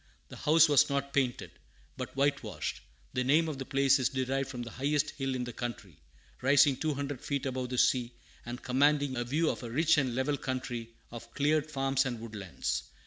The house was not painted, but whitewashed. The name of the place is derived from the highest hill in the county, rising two hundred feet above the sea, and commanding a view of a rich and level country, of cleared farms and woodlands.